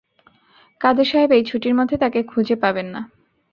কাদের সাহেব এই ছুটির মধ্যে তাকে খুঁজে পাবেন না।